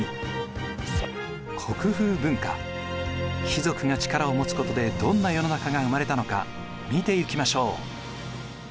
貴族が力を持つことでどんな世の中が生まれたのか見ていきましょう。